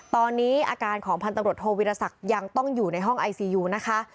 ตอนนี้อาการของพันตำรวจโทวิรสักยังต้องอยู่ในห้องไอซียูนะคะ